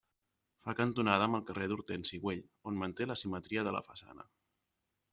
Fa cantonada amb el carrer d'Hortensi Güell, on manté la simetria de la façana.